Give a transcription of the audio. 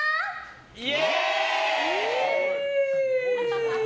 イエーイ！